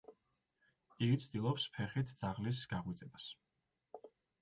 იგი ცდილობს ფეხით ძაღლის გაღვიძებას.